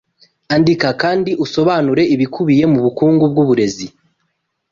Andika kandi usobanure ibikubiye mubukungu bwuburezi